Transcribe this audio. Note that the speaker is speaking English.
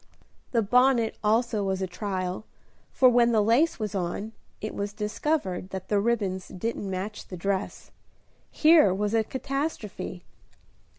The bonnet also was a trial, for when the lace was on, it was discovered that the ribbons didn't match the dress. Here was a catastrophe!